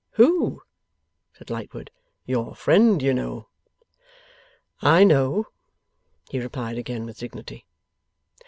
'Who?' said Lightwood. 'Your friend, you know.' 'I know,' he replied, again with dignity.